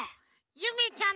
ゆめちゃん！「」「」「」「」